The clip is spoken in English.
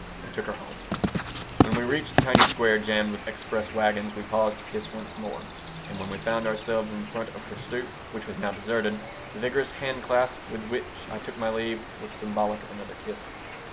I took her home. When we reached a tiny square jammed with express wagons we paused to kiss once more, and when we found ourselves in front of her stoop, which was now deserted, the vigorous hand clasp with which I took my leave was symbolic of another kiss.